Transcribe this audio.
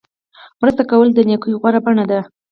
مرسته کول د نیکۍ غوره بڼه ده.